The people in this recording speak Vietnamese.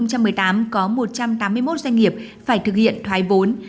năm hai nghìn một mươi tám có một trăm tám mươi một doanh nghiệp phải thực hiện thoái vốn